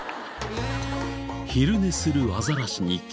昼寝するアザラシに気づかず。